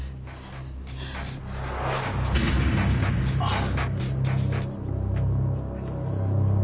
あっ。